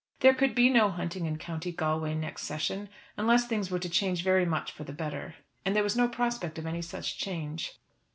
There could be no hunting in County Galway next session unless things were to change very much for the better. And there was no prospect of any such change.